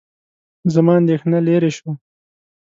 زما اندېښنه لیرې شوه.